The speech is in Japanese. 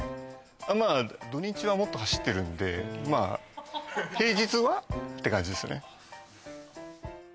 まあ土日はもっと走ってるんで平日はって感じですね